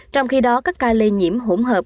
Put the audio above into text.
trong khi đó các ca lây nhiễm hỗn hợp